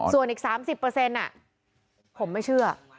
ส่วนอีก๓๐ผมไม่เชื่อ